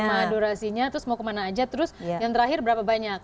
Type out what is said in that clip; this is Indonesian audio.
sama durasinya terus mau kemana aja terus yang terakhir berapa banyak